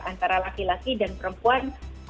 antara laki laki dan perempuan